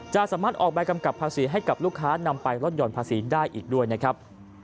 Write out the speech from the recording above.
จะสามารถออกใบกำกับภาษีให้กับลูกค้านำไปลดหย่อนภาษีได้อีกด้วยนะครับ